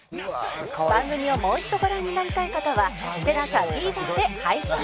番組をもう一度ご覧になりたい方は ＴＥＬＡＳＡＴＶｅｒ で配信